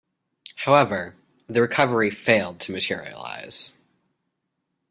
However, the recovery failed to materialise.